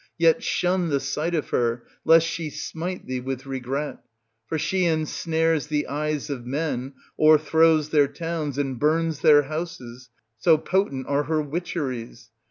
Yet shun the sight of her, lest she smite thee with regret. For she ensnares the eyes of men, o'erthrows their towns, and bums their houses, so potent are her witcheries